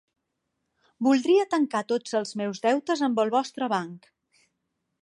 Voldria tancar tots els meus deutes amb el vostre banc.